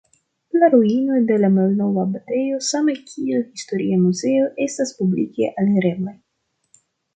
La ruinoj de la malnova abatejo same kiel historia muzeo estas publike alireblaj.